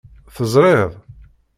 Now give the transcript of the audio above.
Teẓriḍ?